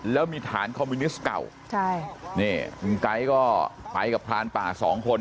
แล้วมีฐานคอมมิวนิสต์เก่าใช่นี่คุณไก๊ก็ไปกับพรานป่าสองคน